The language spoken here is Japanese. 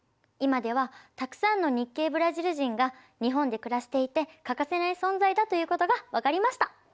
今ではたくさんの日系ブラジル人が日本で暮らしていて欠かせない存在だということが分かりました。